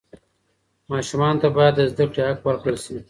ماشومانو ته باید د زده کړې حق ورکړل سي.